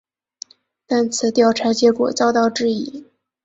但此调查结果遭到质疑。